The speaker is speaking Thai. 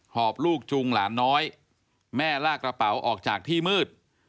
อบลูกจูงหลานน้อยแม่ลากกระเป๋าออกจากที่มืด